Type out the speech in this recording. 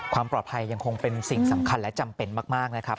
ความปลอดภัยยังคงเป็นสิ่งสำคัญและจำเป็นมากนะครับ